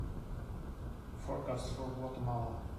forecast for Guatemala